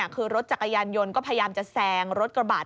คือรถจักรยานยนต์ก็พยายามจะแซงรถกระบาด